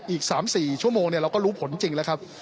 อีก๓๔ชั่วโมงเราก็รู้ผลจริงแล้วครับ